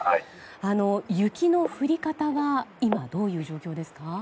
雪の降り方は今、どういう状況ですか？